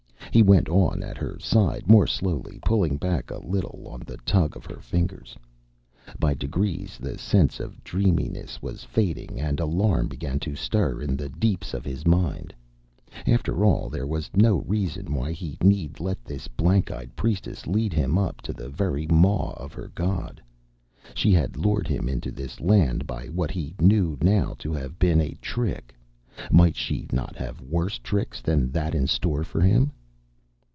He went on at her side more slowly, pulling back a little on the tug of her fingers. By degrees the sense of dreaminess was fading, and alarm began to stir in the deeps of his mind. After all, there was no reason why he need let this blank eyed priestess lead him up to the very maw of her god. She had lured him into this land by what he knew now to have been a trick; might she not have worse tricks than that in store for him?